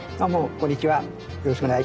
こんにちは。